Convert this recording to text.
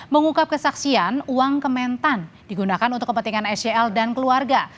mengungkap kesaksian uang kementan digunakan untuk kepentingan sel dan keluarga